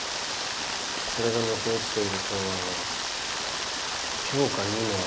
それが抜け落ちている答案は評価にも値しない。